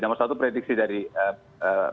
nomor satu prediksi dari pemerintah yang disampaikan